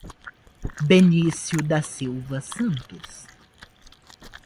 Benicio da Silva Santos